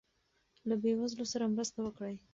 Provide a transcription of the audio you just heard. له بې وزلو سره مرسته وکړئ.